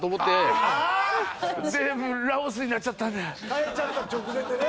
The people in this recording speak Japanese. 変えちゃった直前でね。